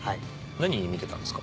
何見てたんですか？